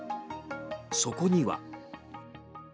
そこには。